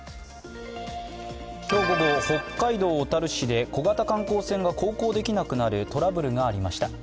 今日午後、北海道小樽市で小型観光船が航行できなくなるトラブルがありました。